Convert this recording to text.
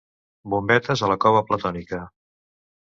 Bombetes a la cova platònica.